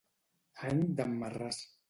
Any d'en Marràs.